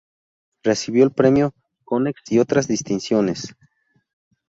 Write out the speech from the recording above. Recibió el Premio Konex y otras distinciones.